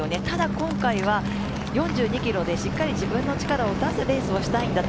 ただ、今回は４２ｋｍでしっかり自分の力を出すレースをしたい。